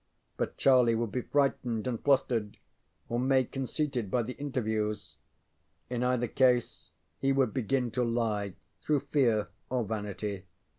but Charlie would be frightened and flustered, or made conceited by the interviews. In either case he would begin to lie, through fear or vanity.